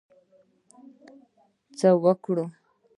څه وکړی.